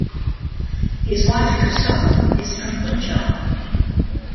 His wife Kusum is from Punjab.